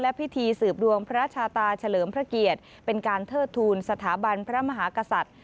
พิธีสืบดวงพระชาตาเฉลิมพระเกียรติเป็นการเทิดทูลสถาบันพระมหากษัตริย์